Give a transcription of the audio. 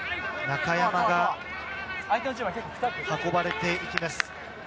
中山が運ばれていきます。